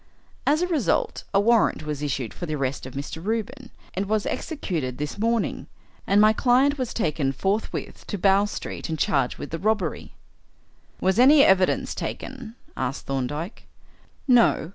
As a result, a warrant was issued for the arrest of Mr. Reuben, and was executed this morning, and my client was taken forthwith to Bow Street and charged with the robbery." "Was any evidence taken?" asked Thorndyke. "No.